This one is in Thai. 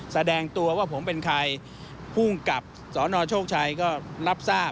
แสดงตัวว่าผมเป็นใครภูมิกับสนโชคชัยก็รับทราบ